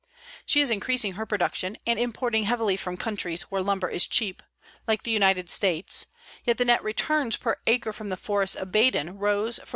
She is increasing her production and importing heavily from countries where lumber is cheap, like the United States, yet the net returns per acre from the forests of Baden rose from $2.